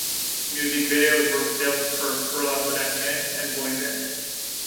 Music videos were filmed for "Per la bona gent" and "Boy Band".